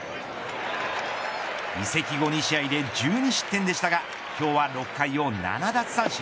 移籍後２試合で１２失点でしたが今日は６回を７奪三振。